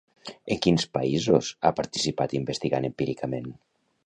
En quins països ha participat investigant empíricament?